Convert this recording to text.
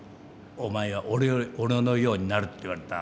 「お前は俺のようになる」って言われた。